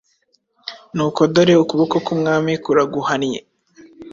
Nuko dore, ukuboko k’Umwami kuraguhannye,